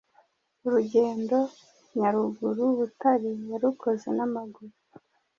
Urugendo Nyaruguru - Butare yarukoze n’amaguru